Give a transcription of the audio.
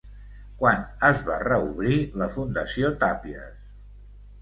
Quan es va reobrir la Fundació Tàpies?